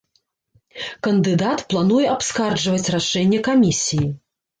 Кандыдат плануе абскарджваць рашэнне камісіі.